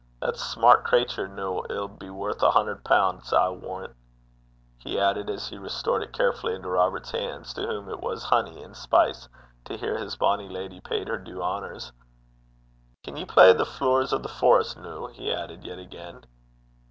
That sma' crater noo 'ill be worth a hunner poun', I s' warran',' he added, as he restored it carefully into Robert's hands, to whom it was honey and spice to hear his bonny lady paid her due honours. 'Can ye play the Flooers o' the Forest, no?' he added yet again.